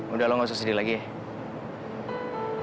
udah lo gak usah sedih lagi ya